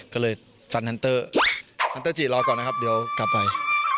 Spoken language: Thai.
ก็เลยฟันทันเตอร์ฮันเตอร์จีรอก่อนนะครับเดี๋ยวกลับไป